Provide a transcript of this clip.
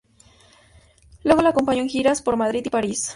Luego lo acompañó en giras por Madrid y París.